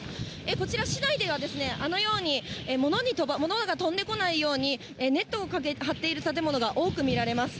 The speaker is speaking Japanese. こちら、市内ではあのように、物が飛んでこないように、ネットを張っている建物が多く見られます。